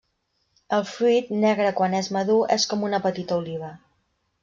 El fruit, negre quan és madur, és com una petita oliva.